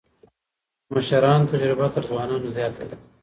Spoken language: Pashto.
د مشرانو تجربه تر ځوانانو زياته ده.